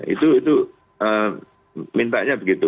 itu itu mintanya begitu